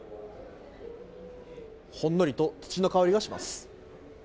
ほんのりと、土の香りがします。